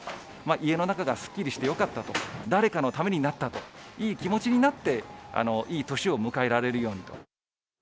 家の中がすっきりしてよかったと、誰かのためになったと、いい気持ちになって、いい年を迎えられるようにと。